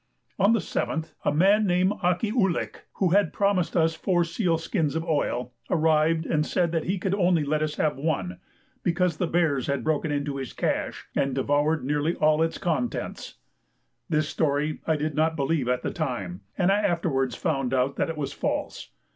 On the 7th a man named Ak kee ou lik, who had promised us four seal skins of oil, arrived and said that he could only let us have one, because the bears had broken into his "cache" and devoured nearly all its contents. This story I did not believe at the time, and I afterwards found out that it was false.